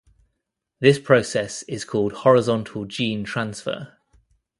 This process is called horizontal gene transfer.